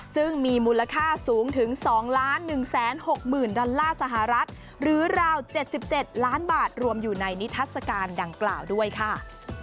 ซึ่งมีมูลค่าสูงถึง๒๑๖๐๐๐ดอลลาร์สหรัฐหรือราว๗๗ล้านบาทรวมอยู่ในนิทัศกาลดังกล่าวด้วยค่ะ